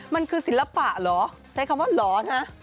มันคือศิลปะเหรอใช้คำว่าเหรอฮะ